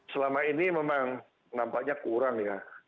selama ini memang nampaknya kurang ya